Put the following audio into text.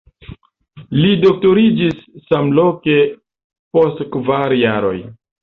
Li doktoriĝis samloke post kvar jaroj.